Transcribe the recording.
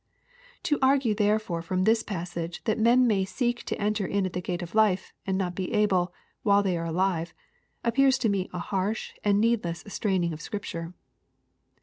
To argue therefore from this passage that men may seek to enter in at the gate of life, and not be able, while they are alive, appears to me a harsh and needless straining of Scripture.